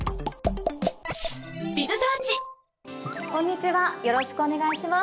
こんにちはよろしくお願いします。